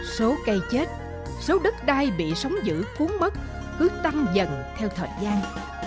số cây chết số đất đai bị sóng giữ cuốn mất cứ tăng dần theo thời gian